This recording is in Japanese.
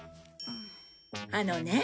あのね